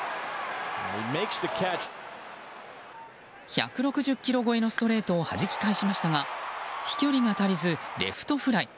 １６０キロ超えのストレートをはじき返しましたが飛距離が足りず、レフトフライ。